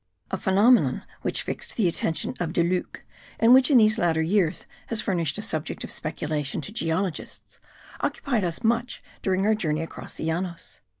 A phenomenon which fixed the attention of De Luc and which in these latter years has furnished a subject of speculation to geologists, occupied us much during our journey across the Llanos.